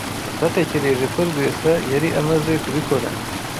Twatekereje ko Rwesa yari amaze kubikora.